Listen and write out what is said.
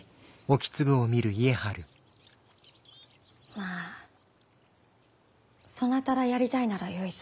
まぁそなたらやりたいならよいぞ。